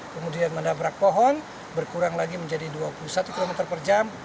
kemudian menabrak pohon berkurang lagi menjadi dua puluh satu km per jam